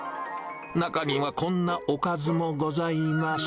中にはこんなおかずもございます。